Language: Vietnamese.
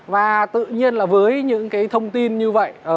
và tự nhiên là với những cái thông tin như vậy bạn mất cơ hội